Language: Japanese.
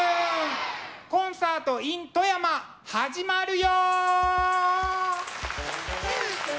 「コンサートｉｎ富山」始まるよ！